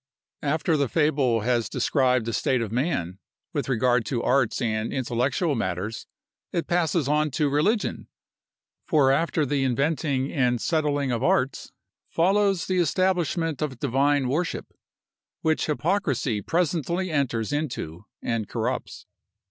After the fable has described the state of man, with regard to arts and intellectual matters, it passes on to religion; for after the inventing and settling of arts, follows the establishment of divine worship, which hypocrisy presently enters into and corrupts.